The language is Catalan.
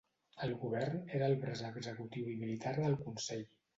El govern era el braç executiu i militar del Consell.